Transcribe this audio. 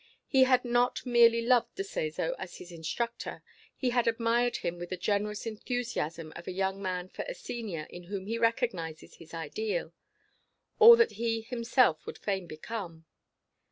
He had not merely loved De Seso as his instructor; he had admired him with the generous enthusiasm of a young man for a senior in whom he recognizes his ideal all that he himself would fain become.